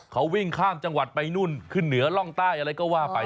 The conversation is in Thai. เขาวิ่งข้ามจังหวัดไปนู่นขึ้นเหนือร่องใต้อะไรก็ว่าไป